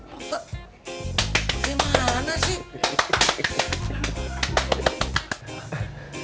pak ustadz gimana sih